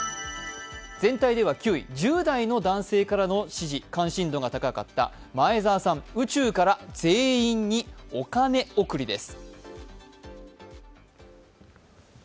全体では９位、１０代の男性からの支持、関心度が高かった前澤さん、宇宙から全員にお金贈りです。